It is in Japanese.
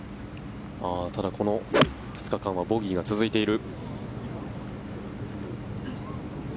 ただ、この２日間はボギーが続いている。